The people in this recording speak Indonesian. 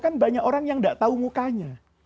kan banyak orang yang tidak tahu mukanya